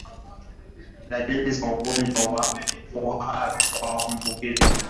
Dalili za ugonjwa wa kuhara kwa mbuzi na kondoo